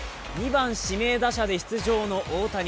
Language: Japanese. ２番・指名打者で出場の大谷。